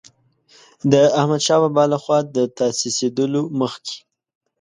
د احمدشاه بابا له خوا د تاسیسېدلو مخکې.